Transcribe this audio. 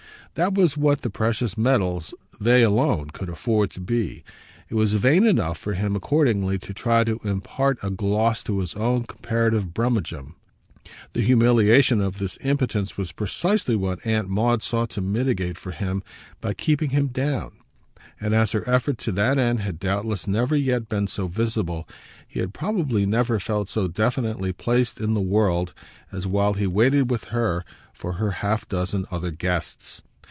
That was what the precious metals they alone could afford to be; it was vain enough for him accordingly to try to impart a gloss to his own comparative brummagem. The humiliation of this impotence was precisely what Aunt Maud sought to mitigate for him by keeping him down; and as her effort to that end had doubtless never yet been so visible he had probably never felt so definitely placed in the world as while he waited with her for her half dozen other guests.